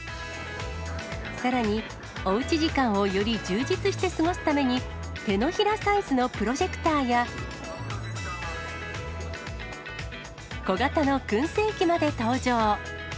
さらに、おうち時間をより充実して過ごすために、手のひらサイズのプロジェクターや、小型のくん製機まで登場。